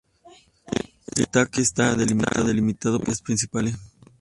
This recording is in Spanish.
El estanque está delimitado por cuatro vías principales.